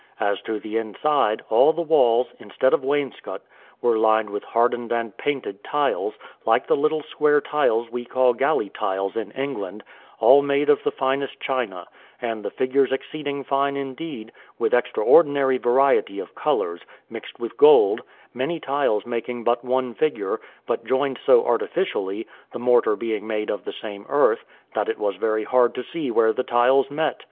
As to the inside, all the walls, instead of wainscot, were lined with hardened and painted tiles, like the little square tiles we call galley tiles in England, all made of the finest china, and the figures exceeding fine indeed, with extraordinary variety of colours, mixed with gold, many tiles making but one figure, but joined so artificially, the mortar being made of the same earth, that it was very hard to see where the tiles met.